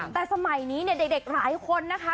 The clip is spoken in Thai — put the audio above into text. แต่สมัยนี้เนี่ยเด็กหลายคนนะคะ